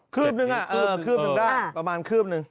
ขืบหนึ่งอ่ะเออขืบหนึ่งได้ประมาณขืบหนึ่ง